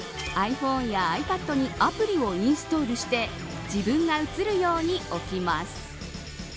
ｉＰｈｏｎｅやｉＰａｄにアプリをインストールして自分が映るように置きます。